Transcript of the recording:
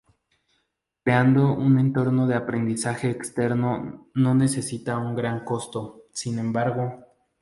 Creando un entorno de aprendizaje exterior no necesita un gran costo, sin embargo.